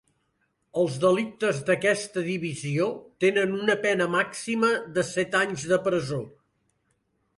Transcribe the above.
Els delictes d'aquesta divisió tenen una pena màxima de set anys de presó.